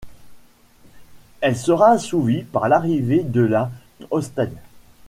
Elle sera assouvie par l'arrivée de la holstein.